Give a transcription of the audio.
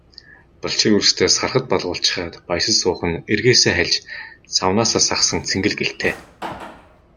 Балчир үрстээ сархад балгуулчхаад баясаж суух нь эргээсээ хальж, савнаасаа сагасан цэнгэл гэлтэй.